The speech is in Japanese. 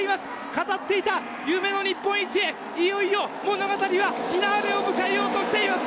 語っていた夢の日本一へ、いよいよ物語はフィナーレを迎えようとしています。